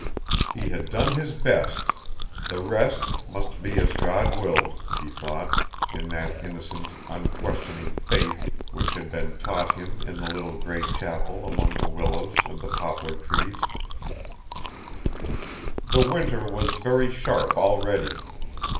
He had done his best: the rest must be as God willed, he thought, in that innocent, unquestioning faith which had been taught him in the little gray chapel among the willows and the poplar trees. The winter was very sharp already.